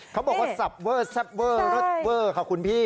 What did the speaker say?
เขาบอกว่าสับเวอร์แซ่บเวอร์เลิศเวอร์ค่ะคุณพี่